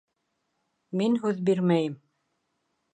— Мин һүҙ бирмәйем.